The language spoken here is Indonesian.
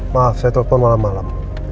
maaf saya telepon malam malam